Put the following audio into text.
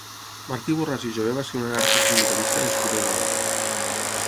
Martí Borràs i Jover va ser un anarcosindicalista nascut a Igualada.